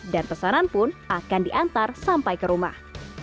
dan pesanan pun akan diantar sampai ke rumah